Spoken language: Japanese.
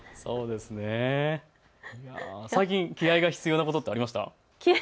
最近、気合いが必要なこと、ありました？